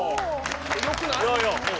よくない？